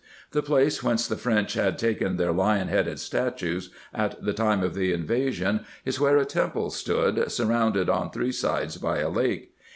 The place whence the French had taken their lion headed statues, at the time of the invasion, is where a temple stood, sur rounded on three sides by a lake.